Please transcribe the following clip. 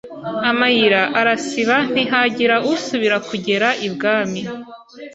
Amayira arasiba ntihagira usubira kugera ibwami